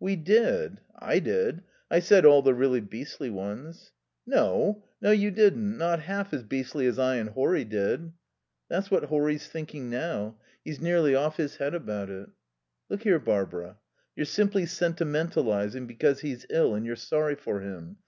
"We did. I did. I said all the really beastly ones." "No. No, you didn't. Not half as beastly as I and Horry did." "That's what Horry's thinking now. He's nearly off his head about it." "Look here, Barbara; you're simply sentimentalizing because he's ill and you're sorry for him....